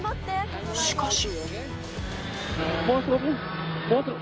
しかし。